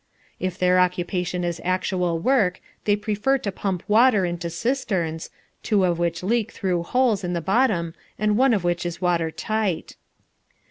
If their occupation is actual work they prefer to pump water into cisterns, two of which leak through holes in the bottom and one of which is water tight.